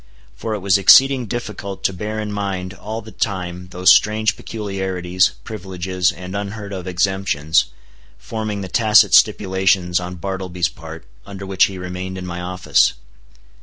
For it was exceeding difficult to bear in mind all the time those strange peculiarities, privileges, and unheard of exemptions, forming the tacit stipulations on Bartleby's part under which he remained in my office.